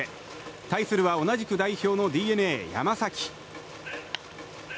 対するは同じく代表のＤｅＮＡ、山崎。